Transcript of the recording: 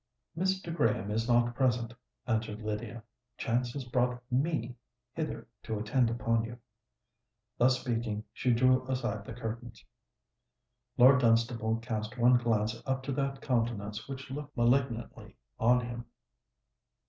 "Mr. Graham is not present," answered Lydia: "chance has brought me hither to attend upon you." Thus speaking, she drew aside the curtains. Lord Dunstable cast one glance up to that countenance which looked malignantly on him.